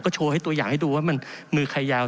โชว์ให้ตัวอย่างให้ดูว่ามันมือใครยาว